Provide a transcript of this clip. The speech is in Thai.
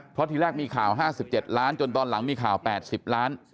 เพราะทีแรกมีข่าว๕๗ล้านจนตอนหลังมีข่าว๘๐ล้าน